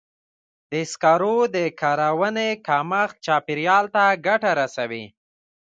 د سکرو د کارونې کمښت چاپېریال ته ګټه رسوي.